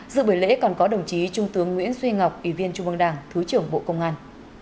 dự bởi lễ còn có đồng chí trung tướng nguyễn xuyên ngọc ủy viên trung mương đảng thứ trưởng bộ công an